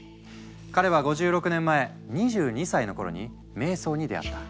彼は５６年前２２歳の頃に瞑想に出会った。